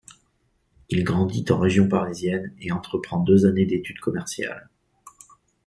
Il grandit en région parisienne et entreprend deux années d'études commerciales.